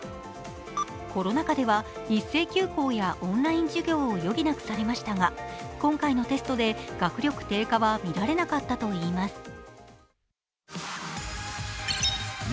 コロナ禍では一斉休校やオンライン授業が余儀なくされましたが、今回のテストで学力低下は見られなかったといいます。